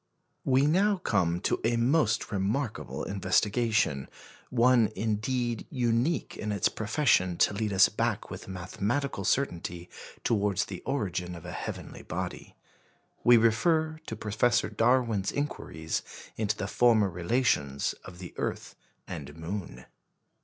We now come to a most remarkable investigation one, indeed, unique in its profession to lead us back with mathematical certainty towards the origin of a heavenly body. We refer to Professor Darwin's inquiries into the former relations of the earth and moon.